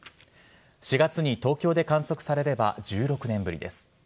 ４月に東京で観測されれば１６年ぶりです。